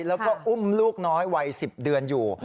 แล้วก็อุ้มลูกน้อยวัย๑๐เดือนอยู่